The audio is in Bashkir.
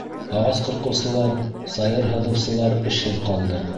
Ағас ҡырҡыусылар, сайыр һыҙыусылар эшһеҙ ҡалды.